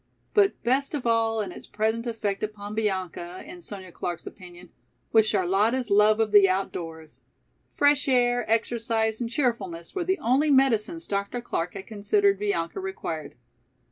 But best of all in its present effect upon Bianca, in Sonya Clark's opinion, was Charlotta's love of the outdoors. Fresh air, exercise and cheerfulness were the only medicines Dr. Clark had considered Bianca required.